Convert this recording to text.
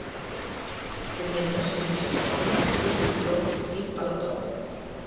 Tenien unes pinces enormes i un fibló fi a l'abdomen.